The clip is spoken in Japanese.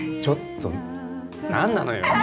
ちょっと何なのよ！